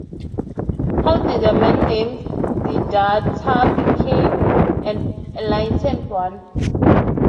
How did a man named Siddhartha become an Enlightened One?